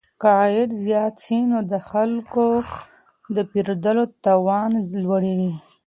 که عايد زيات سي نو د خلګو د پيرودلو توان لوړيږي.